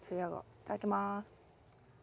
いただきます。